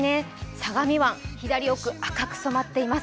相模湾、左奥、赤く染まっています。